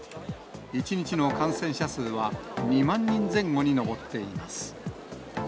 １日の感染者数は２万人前後に上っています。